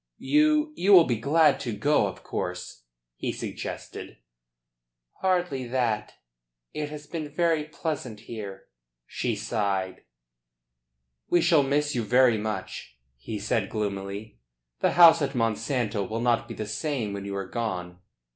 "You you will be glad to go, of course?" he suggested. "Hardly that. It has been very pleasant here." She sighed. "We shall miss you very much," he said gloomily. "The house at Monsanto will not be the same when you are gone.